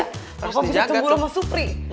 terlalu banyak cemburu sama supri